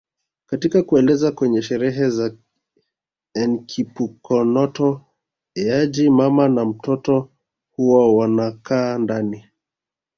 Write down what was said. Katika kuelekea kwenye sherehe za Enkipukonoto Eaji mama na mtoto huwa wanakaa ndani